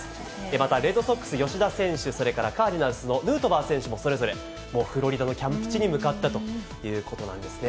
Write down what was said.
またレッドソックス、吉田選手、それからカージナルスのヌートバー選手も、それぞれフロリダのキャンプ地に向かったということなんですね。